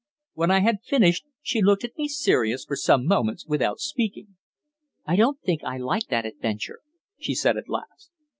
When I had finished, she looked at me seriously for some moments without speaking. "I don't think I like that adventure," she said at last.